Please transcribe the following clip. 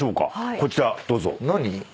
こちらどうぞ。